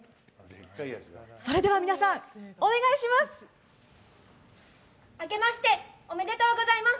それでは皆さん、お願いします。